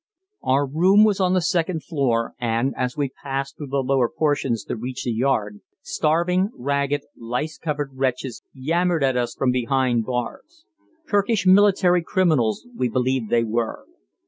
Our room was on the second floor, and, as we passed through the lower portions to reach the yard, starving, ragged, lice covered wretches yammered at us from behind bars. Turkish military criminals, we believed they were.